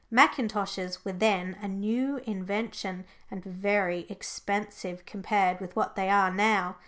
Mackintoshes were then a new invention, and very expensive compared with what they are now.